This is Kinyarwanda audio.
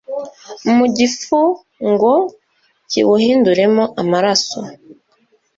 mu gifu ngo kiwuhinduremo amaraso?